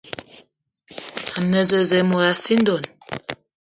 A ne zeze mot a sii ndonn